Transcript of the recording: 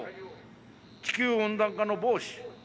地球温暖化の防止